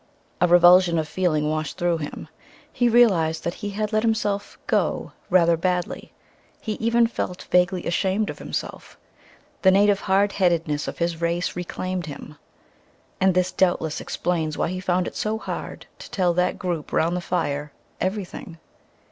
A revulsion of feeling washed through him. He realized that he had let himself "go" rather badly. He even felt vaguely ashamed of himself. The native hard headedness of his race reclaimed him. And this doubtless explains why he found it so hard to tell that group round the fire everything.